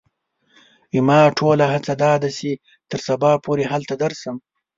زما ټوله هڅه دا ده چې تر سبا پوري هلته درشم.